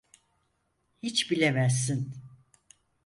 Hiç bilemezsin.